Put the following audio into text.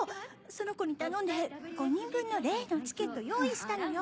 園子に頼んで５人分の例のチケット用意したのよ？